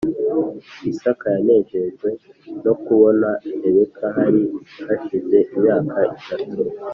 Isaka yanejejwe no kubona Rebeka Hari hashize imyaka itatu